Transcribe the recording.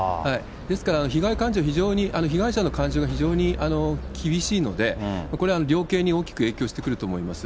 ですから、被害感情、非常に、被害者の感情が非常に厳しいので、これは量刑に大きく影響してくると思います。